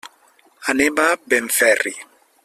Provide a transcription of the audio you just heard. Anem a Benferri.